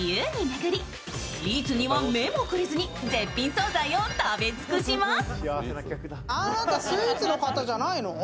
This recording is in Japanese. スイーツには目もくれずに絶品総菜を食べ尽くします。